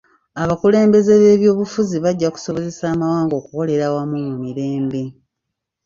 Abakulembeze b'ebyobufuzi bajja kusobozesa amawanga okukolera awamu mu mirembe.